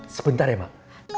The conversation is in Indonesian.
sebentar ya mak